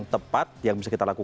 danahlen berikutu itu